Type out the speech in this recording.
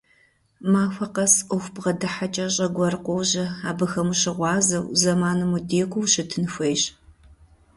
Махуэ къэс Ӏуэху бгъэдыхьэкӀэщӀэ гуэр къожьэ, абыхэм ущыгъуазэу, зэманым удекӀуу ущытын хуейщ.